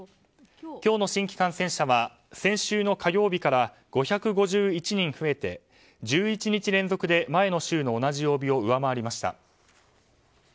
今日の新規感染者は先週の火曜日から５５１人増えて１１日連続で前の週の同じ曜日を上回りました。